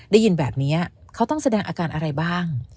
ได้ยินแบบนี้เขาต้องแสดงอาการอะไรบ้าง